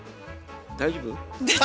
大丈夫？